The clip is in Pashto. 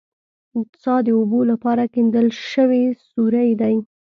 څا د اوبو لپاره کیندل شوی سوری دی